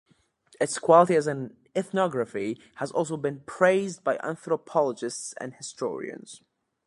Its quality as an ethnography has also been praised by anthropologists and historians.